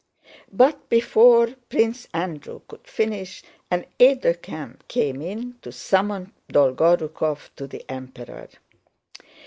but before Prince Andrew could finish, an aide de camp came in to summon Dolgorúkov to the Emperor.